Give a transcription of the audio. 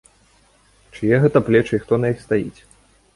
Чые гэта плечы і хто на іх стаіць?